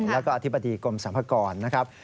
และก็อธิบดีกรมสัมภกรณ์นะครับ